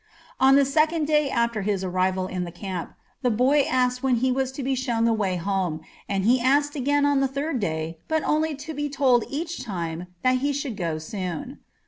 On the second day after his arrival in the camp, the boy asked when he was to be shown the way home, and he asked again on the third day, but only to be told each time that he should go soon.